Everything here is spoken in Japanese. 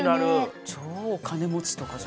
超お金持ちとかじゃ。